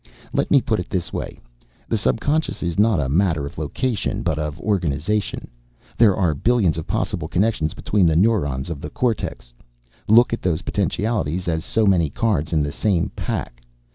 "Let me put it this way. The subconscious is not a matter of location but of organization. There are billions of possible connections between the neurons of the cortex. Look at those potentialities as so many cards in the same pack.